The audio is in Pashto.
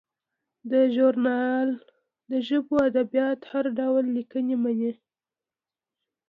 دا ژورنال د ژبو او ادبیاتو هر ډول لیکنې مني.